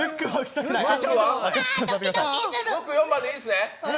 ムック、４番でいいですね？